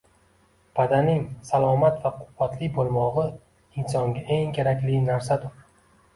Badanning salomat va quvvatli bo’lmog’i insonga eng kerakli narsadur